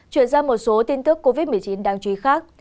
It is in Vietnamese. chuyển sang một số tin tức covid một mươi chín đáng chú ý khác